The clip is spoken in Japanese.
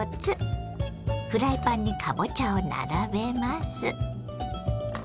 フライパンにかぼちゃを並べます。